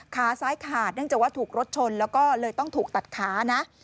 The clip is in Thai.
ขาซ้ายขาดเนื่องจากว่าถูกรถชนแล้วก็เลยต้องถูกตัดขานะ